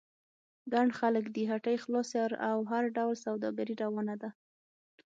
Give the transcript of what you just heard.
ګڼ خلک دي، هټۍ خلاصې او هر ډول سوداګري روانه ده.